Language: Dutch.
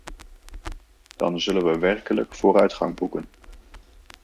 Dan zullen we werkelijk vooruitgang boeken.